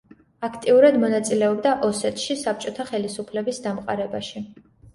აქტიურად მონაწილეობდა ოსეთში საბჭოთა ხელისუფლების დამყარებაში.